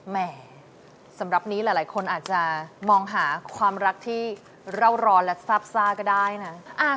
แหมสำหรับนี้หลายคนอาจจะมองหาความรักที่เราร้อนและซาบซ่าก็ได้นะ